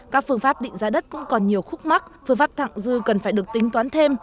các phương pháp định giá đất cũng còn nhiều khúc mắc phương pháp thẳng dư cần phải được tính toán thêm